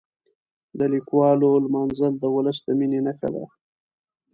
د لیکوالو لمانځل د ولس د مینې نښه ده.